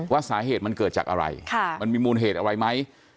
ว่าสาเหตุมันเกิดจากอะไรมันมีมูลเหตุอะไรไหม